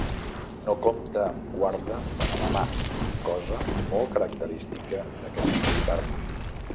No compta amb guarda per a la mà, cosa molt característica d'aquest tipus d'arma.